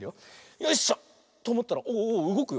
よいしょ。とおもったらおおうごくよ。